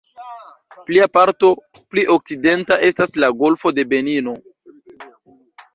Plia parto, pli okcidenta, estas la "Golfo de Benino".